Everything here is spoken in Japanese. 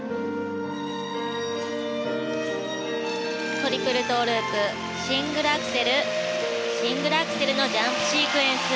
トリプルトウループシングルアクセルシングルアクセルのジャンプシークエンス。